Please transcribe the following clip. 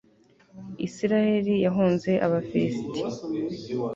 israheli yahunze abafilisiti